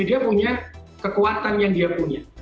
dia punya kekuatan yang dia punya